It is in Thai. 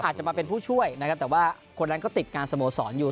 อาจจะมาเป็นผู้ช่วยนะครับแต่ว่าคนนั้นก็ติดงานสโมสรอยู่